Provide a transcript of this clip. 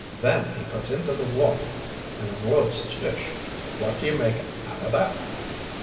Then he puts into the wharf and unloads his fish. What do you make out of that?"